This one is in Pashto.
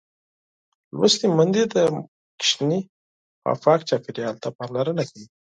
لوستې میندې د ماشوم پاک چاپېریال ته پاملرنه کوي.